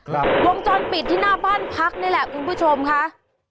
วงจรปิดที่หน้าบ้านพักนี่แหละคุณผู้ชมค่ะ